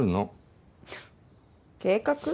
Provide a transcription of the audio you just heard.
計画？